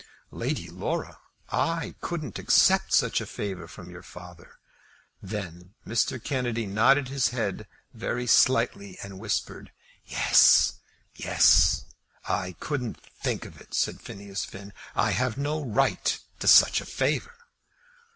"Lady Laura, I couldn't accept such a favour from your father." Then Mr. Kennedy nodded his head very slightly and whispered, "Yes, yes." "I couldn't think of it," said Phineas Finn. "I have no right to such a favour."